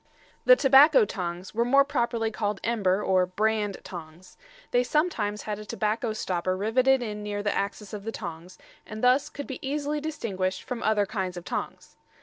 The tobacco tongs were more properly called ember or brand tongs. They sometimes had a tobacco stopper riveted in near the axis of the tongs, and thus could be easily distinguished from other kinds of tongs.